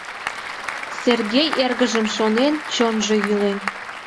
Сергей эргыжым шонен, чонжо йӱлен.